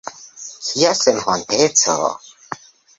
Kia senhonteco!